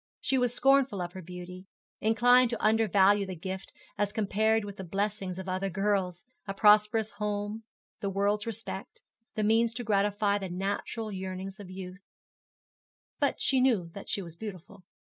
She was scornful of her beauty, inclined to undervalue the gift as compared with the blessings of other girls a prosperous home, the world's respect, the means to gratify the natural yearnings of youth but she knew that she was beautiful.